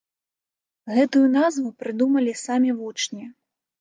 Гэтую назву прыдумалі самі вучні.